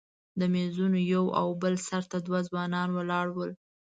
د میزونو یو او بل سر ته دوه ځوانان ولاړ وو.